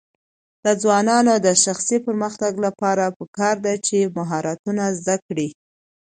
د ځوانانو د شخصي پرمختګ لپاره پکار ده چې مهارتونه زده کړي.